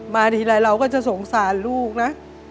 ทีไรเราก็จะสงสารลูกนะ